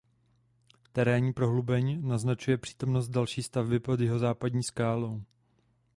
Terénní prohlubeň naznačuje přítomnost další stavby pod jihozápadní skálou.